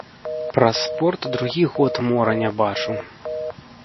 Праз спорт другі год мора не бачу.